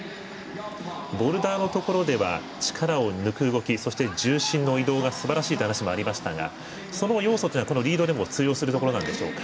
ボルダーのところでは力を抜く動きそして、重心の移動がすばらしいという話がありましたがその要素というのがこのリードでも通用するところでしょうか。